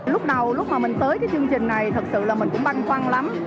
lúc đầu lúc mà mình tới cái chương trình này thật sự là mình cũng băn khoăn lắm